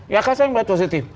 ya kan saya melihat positif